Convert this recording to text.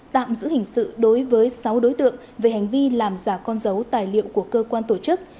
tạm giữ hình sự đối với sáu đối tượng về hành vi làm giả con dấu tài liệu của cơ quan tổ chức